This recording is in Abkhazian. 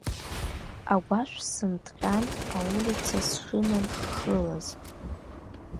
Агәашә сынҭҟьан аулица сшынанххылаз.